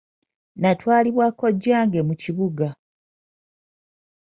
Natwalibwa kojjange mu kibuga.